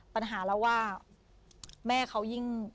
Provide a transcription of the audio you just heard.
ปัญหาเราว่าแม่เขายิ่ง